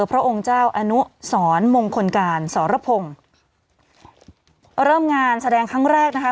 พระองค์เจ้าอนุสรมงคลการสรพงศ์เริ่มงานแสดงครั้งแรกนะคะ